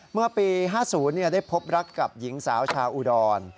เมื่อปี๕๐ได้พบรักกับหญิงสาวชาวอุดร